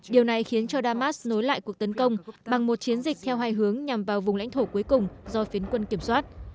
điều này khiến cho damas nối lại cuộc tấn công bằng một chiến dịch theo hai hướng nhằm vào vùng lãnh thổ cuối cùng do phiến quân kiểm soát